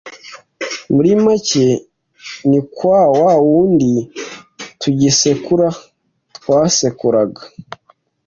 Muri make ni nka wawundi tugisekura twasekuraga